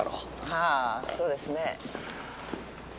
はあそうですね。